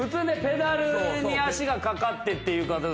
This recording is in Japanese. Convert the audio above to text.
ペダルに足がかかってっていう。